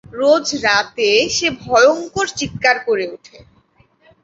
রোজ রাতে সে ভয়ংকর চিৎকার করে ওঠে।